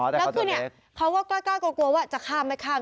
แล้วคือเนี่ยเขาก็กล้ากลัวว่าจะข้ามไม่ข้าม